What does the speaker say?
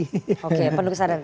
oke penuh kesadaran